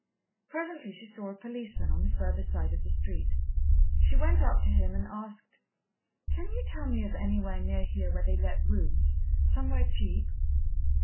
Presently she saw a policeman on the further side of the street. She went up to him and asked: "Can you tell me of anywhere near here where they let rooms somewhere cheap?"